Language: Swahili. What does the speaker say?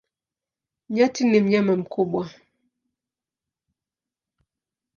Nyati ni mnyama mkubwa.